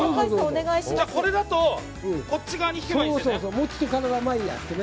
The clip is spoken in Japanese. これだとこっち側に引けばいいですね。